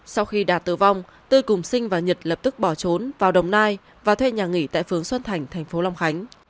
sau khi đạt tử vong tư cùng sinh và nhật lập tức bỏ trốn vào đồng nai và thuê nhà nghỉ tại phường xuân thành thành phố long khánh